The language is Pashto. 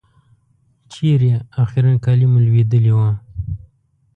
چېرې او خیرن کالي مو لوېدلي وو.